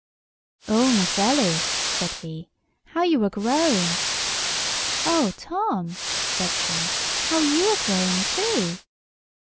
"Oh, Miss Ellie," said he, "how you are grown!" "Oh, Tom," said she, "how you are grown too!"